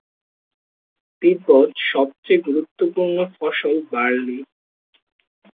তিব্বত সবচেয়ে গুরুত্বপূর্ণ ফসল বার্লি।